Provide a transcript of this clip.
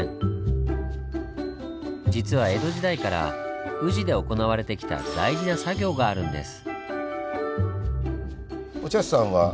実は江戸時代から宇治で行われてきた大事な作業があるんです。